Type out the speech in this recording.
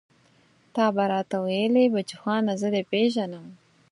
ته به راته ويلې بچوخانه زه دې پېژنم.